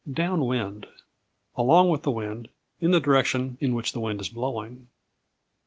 Down Wind Along with the wind; in the direction in which the wind is blowing.